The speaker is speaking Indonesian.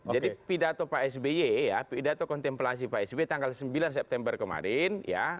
jadi pidato pak sby ya pidato kontemplasi pak sby tanggal sembilan september kemarin ya